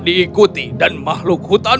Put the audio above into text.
diikuti dan makhluk hutan